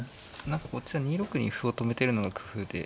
何かこっちは２六に歩をとめてるのが工夫で。